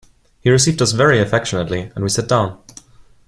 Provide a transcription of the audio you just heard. He received us very affectionately, and we sat down.